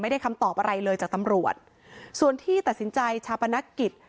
ได้คำตอบอะไรเลยจากตำรวจส่วนที่ตัดสินใจชาปนกิจ